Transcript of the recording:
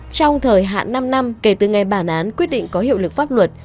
trong thời hạn năm năm kể từ ngày bản án quyết định có hiệu lực pháp luật